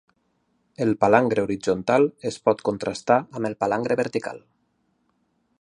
El palangre horitzontal es pot contrastar amb el palangre vertical.